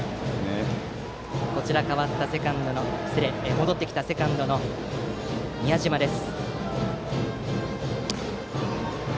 戻ってきたセカンドの宮嶋です。